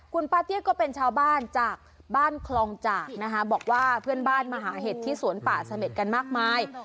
คุณป้าเตี้ยก็เป็นชาวบ้านจากบ้านคลองจากนะคะบอกว่าเพื่อนบ้านมาหาเห็ดที่สวนป่าเสม็ดกันมากมาย